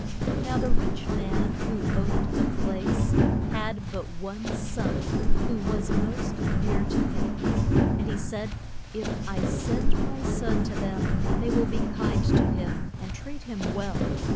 Now the rich man, who owned the place, had but one son, who was most dear to him. And he said, If I send my son to them they will be kind to him, and treat him well.